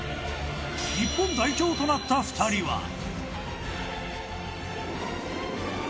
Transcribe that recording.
日本代表となった２人は。